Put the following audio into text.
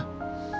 terima kasih bang